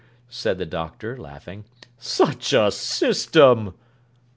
said the Doctor, laughing. 'Such a system!